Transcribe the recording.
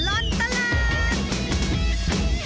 ชั่วตลอดตลาด